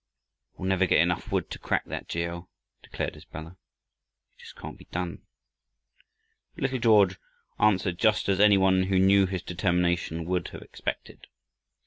"We'll never get enough wood to crack that, G. L.," declared his brother. "It just can't be done." But little George answered just as any one who knew his determination would have expected.